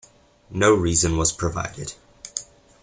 No reason was provided.